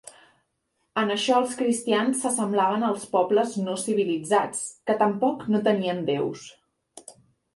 En això els cristians s'assemblaven als pobles no civilitzats, que tampoc no tenien déus.